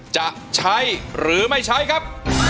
จะใช้หรือไม่ใช้ครับ